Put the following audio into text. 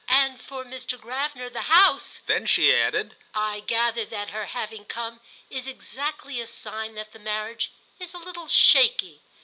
"And for Mr. Gravener the House—!" Then she added: "I gather that her having come is exactly a sign that the marriage is a little shaky.